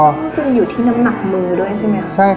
นี่จริงอยู่ที่น้ำหนักมือด้วยใช่มั้ยครับ